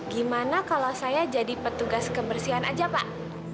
gimana kalau saya jadi petugas kebersihan aja pak